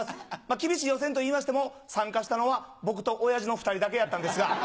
厳しい予選といいましても参加したのは僕と親父の２人だけやったんですが。